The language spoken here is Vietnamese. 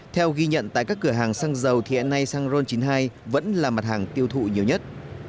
theo ghi nhận tại các cửa hàng xăng dầu thì hiện nay xăng ron chín mươi hai vẫn là mặt hàng tiêu thụ nhiều nhất